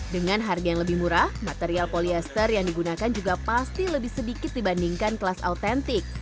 dengan harga yang lebih murah material polyester yang digunakan juga pasti lebih sedikit dibandingkan kelas autentik